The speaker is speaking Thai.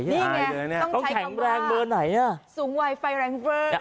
นี่ไงต้องใช้คำว่าสูงไว้ไฟแรงเวิร์ด